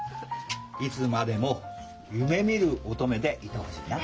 いつまでも「夢みる乙女」でいてほしいな。